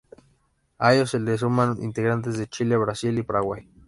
A ellos se les suman integrantes de Chile, Brasil y Paraguay.